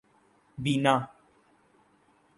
بینا